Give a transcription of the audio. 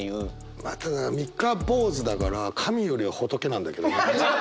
まあただ三日坊主だから神よりは仏なんだけどね。